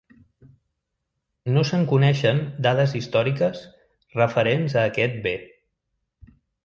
No se'n coneixen dades històriques referents a aquest bé.